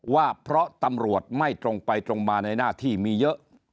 ว่าเพราะตำรวจไม่ตรงไปตรงมาในหน้าที่มีเยอะ